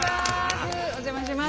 お邪魔します。